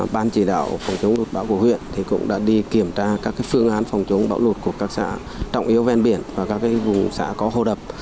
ban chỉ đạo phòng chống lụt bão của huyện cũng đã đi kiểm tra các phương án phòng chống bão lụt của các xã trọng yếu ven biển và các vùng xã có hồ đập